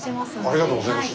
ありがとうございます。